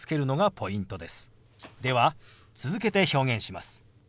では続けて表現します。